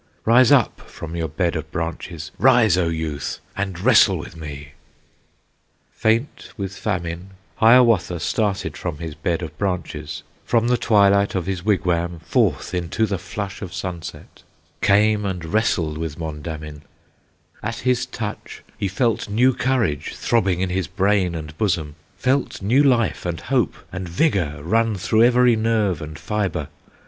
Rise up from your bed of branches, Rise, O youth, and wrestle with me!" Faint with famine, Hiawatha Started from his bed of branches, From the twilight of his wigwam Forth into the flush of sunset Came, and wrestled with Mondamin; At his touch he felt new courage Throbbing in his brain and bosom, Felt new life and hope and vigor Run through every nerve and fibre.